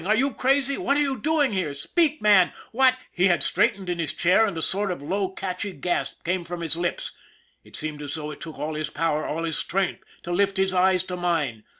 Are you crazy! What are you doing here? Speak, man, w hat " He had straightened in his chair, and a sort of low, catchy gasp came from his lips. It seemed as though it took all his power, all his strength, to lift his eyes to mine.